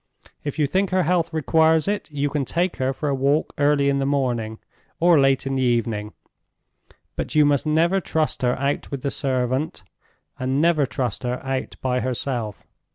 If you think her health requires it, you can take her for a walk early in the morning, or late in the evening; but you must never trust her out with the servant, and never trust her out by herself.